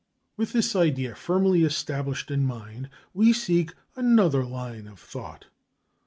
With this idea firmly established in mind, we seek another line of thought.